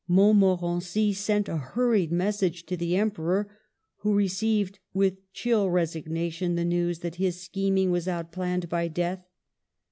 Montmorency sent a hurried message to the Emperor, who received with chill resignation the news that his scheming was outplanned by Death.